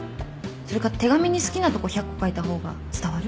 それか手紙に好きなとこ１００個書いた方が伝わる？